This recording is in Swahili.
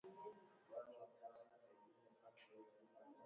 Kanuni ya tatu ya FZA inaitwa Kanuni – Mapitio